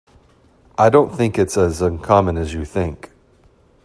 I don't think it's as uncommon as you think.